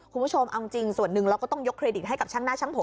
คุณผู้ชมเอาจริงส่วนหนึ่งเราก็ต้องยกเครดิตให้กับช่างหน้าช่างผม